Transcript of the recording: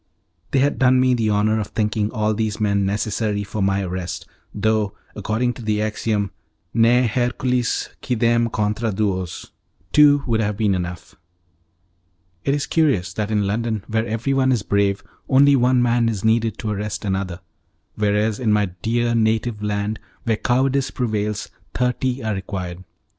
They had done me the honour of thinking all these men necessary for my arrest, though, according to the axiom 'Ne Hercules quidem contra duos', two would have been enough. It is curious that in London, where everyone is brave, only one man is needed to arrest another, whereas in my dear native land, where cowardice prevails, thirty are required.